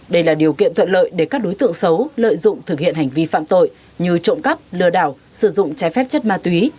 đây là điều kiện thuận lợi để các đối tượng xấu lợi dụng thực hiện hành vi phạm tội như trộm cắp lừa đảo sử dụng trái phép chất ma túy